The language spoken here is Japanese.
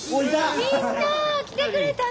みんな来てくれたの！？